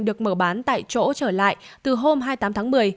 được mở bán tại chỗ trở lại từ hôm hai mươi tám tháng một mươi